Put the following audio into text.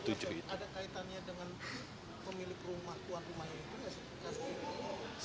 ada kaitannya dengan pemilik rumah tuan rumah yang itu